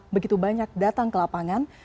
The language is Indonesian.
begitu banyak datang ke lapangan